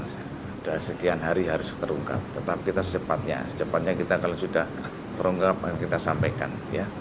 sudah sekian hari harus terungkap tetapi kita secepatnya kita kalau sudah terungkap kita sampaikan ya